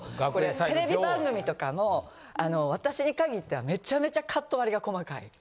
テレビ番組とかも私に限ってはめちゃめちゃカット割りが細かい。